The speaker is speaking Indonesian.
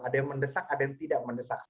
ada yang mendesak ada yang tidak mendesak